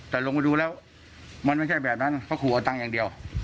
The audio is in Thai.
แต่ลงไปดูแล้วมันไม่ใช่แบบนั้นเพราะขู่เอาตังค์อย่างเดียว